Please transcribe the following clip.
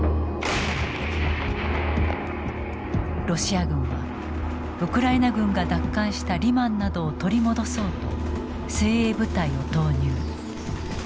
ロシア軍はウクライナ軍が奪還したリマンなどを取り戻そうと精鋭部隊を投入。